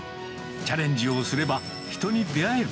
チャレンジをすれば、人に出会える。